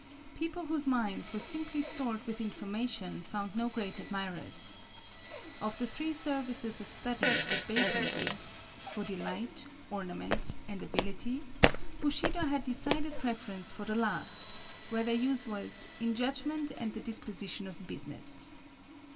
People whose minds were simply stored with information found no great admirers. Of the three services of studies that Bacon gives,—for delight, ornament, and ability,—Bushido had decided preference for the last, where their use was "in judgment and the disposition of business."